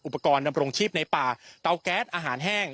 อุปกรณ์ดำรงชีพในป่าเตาแก๊สอาหารแห้ง